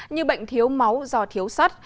như bệnh thiếu máu do thiếu sắt